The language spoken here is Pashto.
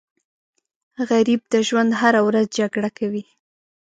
غریب د ژوند هره ورځ جګړه کوي